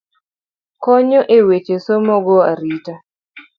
Konyo e weche somo go arita.